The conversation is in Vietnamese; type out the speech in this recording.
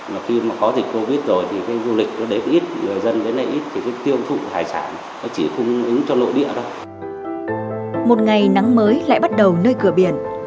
một ngày nắng mới lại bắt đầu nơi cửa biển